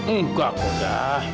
enggak kok dah